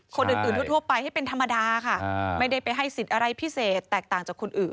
คนอื่นทั่วไปให้เป็นธรรมดาค่ะไม่ได้ไปให้สิทธิ์อะไรพิเศษแตกต่างจากคนอื่น